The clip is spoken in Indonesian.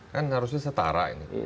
kan harusnya setara ini